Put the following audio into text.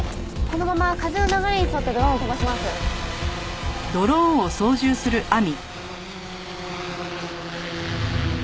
このまま風の流れに沿ってドローンを飛ばします。